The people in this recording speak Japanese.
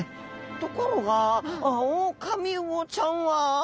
ところがオオカミウオちゃんは。